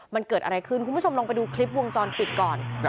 มันเกิดอะไรขึ้นคุณผู้ชมลองไปดูคลิปวงจรปิดก่อน